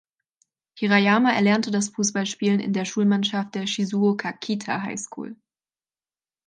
Hirayama erlernte das Fußballspielen in der Schulmannschaft der "Shizuoka Kita High School".